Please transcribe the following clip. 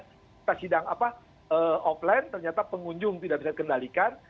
kita sidang offline ternyata pengunjung tidak bisa dikendalikan